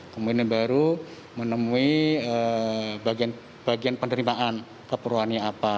kemudian baru menemui bagian penerimaan keperluannya apa